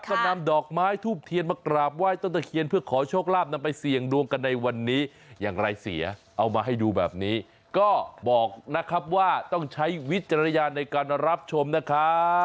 ก็นำดอกไม้ทูบเทียนมากราบไหว้ต้นตะเคียนเพื่อขอโชคลาภนำไปเสี่ยงดวงกันในวันนี้อย่างไรเสียเอามาให้ดูแบบนี้ก็บอกนะครับว่าต้องใช้วิจารณญาณในการรับชมนะครับ